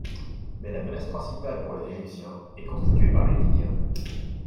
Mais la menace principale pour les Égyptiens est constituée par les Libyens.